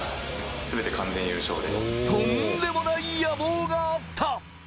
とんでもない野望があった！